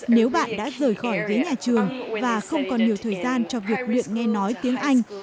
nếu bạn đã rời khỏi ghế nhà trường và không còn nhiều thời gian cho việc luyện nghe nói tiếng anh